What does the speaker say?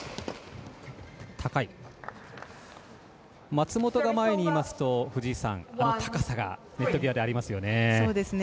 松本が前にいますと高さがネット際でありますよね。